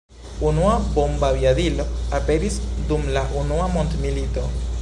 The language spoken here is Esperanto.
Unua bombaviadilo aperis dum la unua mondmilito.